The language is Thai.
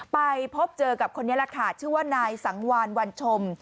ไปเจอกับคนนี้แหละค่ะชื่อว่านายสังวานวันชม